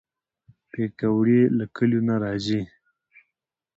پکورې له کلیو نه راځي